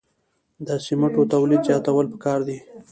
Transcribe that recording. د سمنټو تولید زیاتول پکار دي